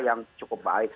yang cukup baik